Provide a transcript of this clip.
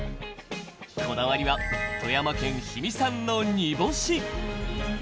こだわりは富山県氷見産の煮干し。